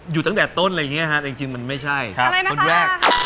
อยู่ตั้งแต่ต้นอะไรอย่างนี้ฮะจริงมันไม่ใช่คนแรก